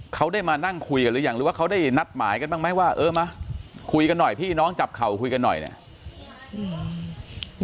เขาได้มานั่งคุยกันหรือยังหรือว่าเขาได้นัดหมายกันบ้างไหมว่าเออมาคุยกันหน่อยพี่น้องจับเข่าคุยกันหน่อยเนี่ย